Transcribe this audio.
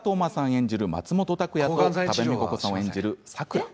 演じる松本拓哉と多部未華子さん演じる、妻の咲良。